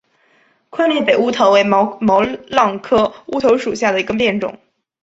宽裂北乌头为毛茛科乌头属下的一个变种。